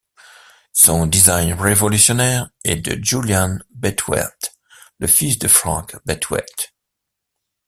Son design révolutionnaire est de Julian Bethwaite, le fils de Frank Bethwaite.